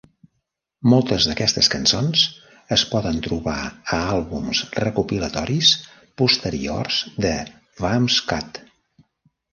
Moltes d'aquestes cançons es poden trobar a àlbums recopilatoris posteriors de Wumpscut.